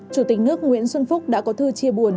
chủ tịch nước nguyễn xuân phúc đã có thư chia buồn